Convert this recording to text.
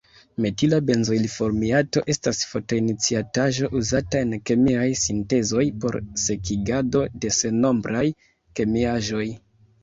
Metila benzoilformiato estas fotoiniciataĵo uzata en kemiaj sintezoj por sekigado de sennombraj kemiaĵoj.